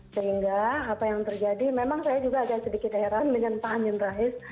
sehingga apa yang terjadi memang saya juga agak sedikit heran dengan pak amin rais